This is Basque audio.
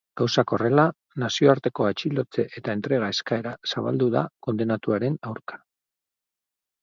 Gauzak horrela, nazioarteko atxilotze eta entrega eskaera zabaldu da kondenatuaren aurka.